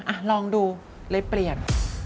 อ่ะลองดูเลยเปลี่ยน